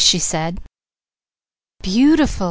she said. "Beautiful!"